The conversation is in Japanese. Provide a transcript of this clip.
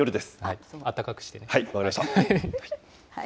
あったかくしてね。